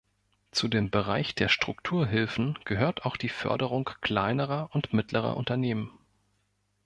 Zu dem Bereich der Strukturhilfen gehört auch die Förderung kleinerer und mittlerer Unternehmen.